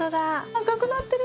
赤くなってる。